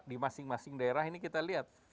di masing masing daerah ini kita lihat